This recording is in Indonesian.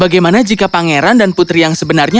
bagaimana jika pangeran dan putri yang korup mencari mereka